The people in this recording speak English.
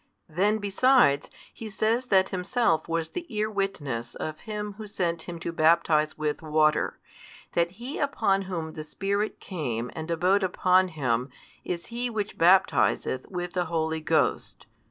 Then besides, he says that himself was the ear witness of Him Who sent him to baptize with water, that He upon Whom the Spirit came and abode upon Him is He which baptizeth with the Holy Ghost.